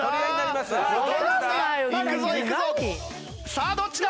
さあどっちだ？